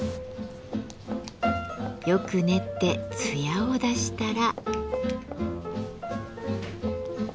よく練ってつやを出したら。